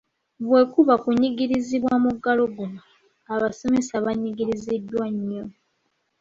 Bwe kuba kunyigirizibwa mu muggalo guno, abasomesa banyigiriziddwa nnyo.